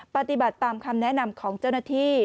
ปฏิบัติตามคำแนะนำของเจ้าหน้าที่